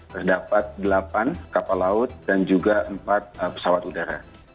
terdapat delapan kapal laut dan juga empat pesawat udara